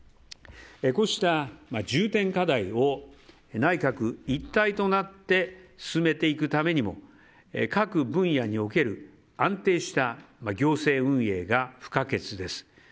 こうした重点課題を内閣一体となって進めていくためにも各分野における安定した行政運営が不可欠です。